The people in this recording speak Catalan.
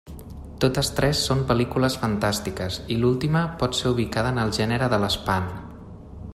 Totes tres són pel·lícules fantàstiques, i l'última pot ser ubicada en el gènere de l'espant.